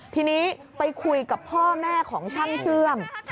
ทีนี้ไปคุยกับพ่อแม่ของช่างเชื่อม